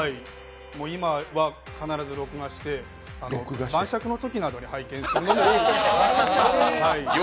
今は必ず録画して晩酌のときなどに拝見するという。